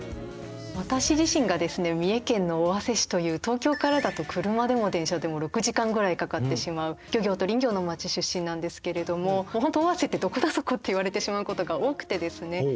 私自身がですね三重県の尾鷲市という東京からだと車でも電車でも６時間ぐらいかかってしまう漁業と林業の町出身なんですけれども本当尾鷲って「どこだそこ」って言われてしまうことが多くてですね。